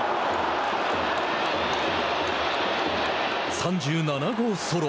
３７号ソロ。